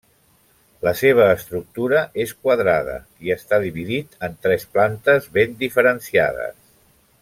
La seva estructura és quadrada i està dividit en tres plantes ben diferenciades.